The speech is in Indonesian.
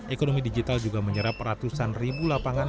ekonomi digital juga menyerap ratusan ribu lapangan